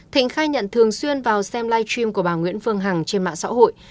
thịnh khai nhận thường xuyên vào xem live stream của bà nguyễn phương hằng trên mạng xã hội